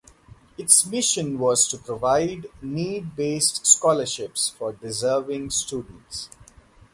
Its mission was to provide need-based scholarships for deserving students.